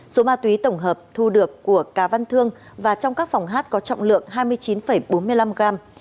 số ma túy tổng hợp thu được của cá văn thương và trong các phòng hát có trọng lượng hai mươi chín bốn mươi năm gram